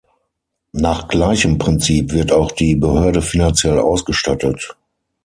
Nach gleichem Prinzip wird auch die Behörde finanziell ausgestattet.